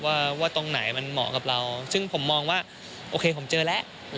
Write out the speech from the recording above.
ว่าตรงไหนมันเหมาะกับเราซึ่งผมมองว่าโอเคผมเจอแล้ว